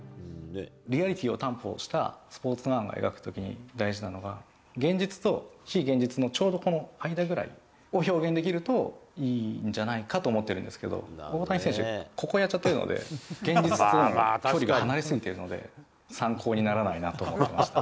リアリティーを担保したスポーツ漫画を描くときに大事なのが、現実と非現実のちょうどこの間ぐらいを表現できるといいんじゃないかと思ってるんですけど、大谷選手、ここやっちゃってるので、現実との距離が離れすぎてるので、参考にならないなと思いました。